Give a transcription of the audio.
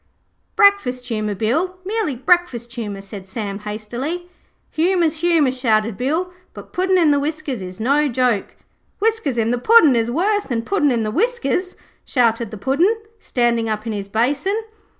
'Breakfast humour, Bill, merely breakfast humour,' said Sam hastily. 'Humour's humour,' shouted Bill, 'but puddin' in the whiskers is no joke.' 'Whiskers in the Puddin' is worse than puddin' in the whiskers,' shouted the Puddin', standing up in his basin.